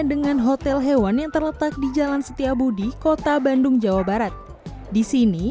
dengan hotel hewan yang terletak di jalan setiabudi kota bandung jawa barat disini